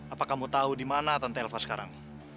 apa kamu tau dimana tante elva sekarang